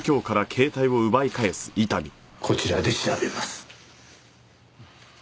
こちらで調べます。